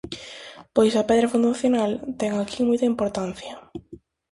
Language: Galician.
Pois a pedra fundacional, ten aquí moita importancia.